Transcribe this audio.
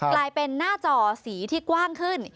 กลายเป็นหน้าจอสีที่กว้างขึ้น